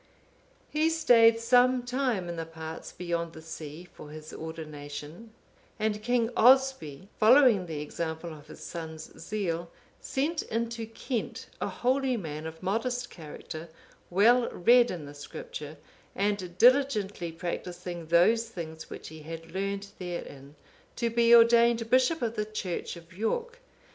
(495) He stayed some time in the parts beyond the sea for his ordination, and King Oswy, following the example of his son's zeal, sent into Kent a holy man, of modest character, well read in the Scripture, and diligently practising those things which he had learned therein, to be ordained bishop of the church of York.